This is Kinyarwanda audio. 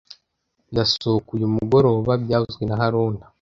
Ndasohoka uyu mugoroba byavuzwe na haruna